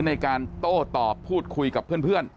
ในการโต้ตอบพูดคุยกับเพื่อน